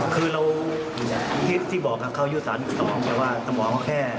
คือเราที่บอกครับเขายู่ซะทำบอกว่าแค่